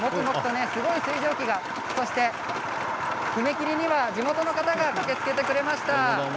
すごい水蒸気が、そして踏切には地元の方が駆けつけてくれました。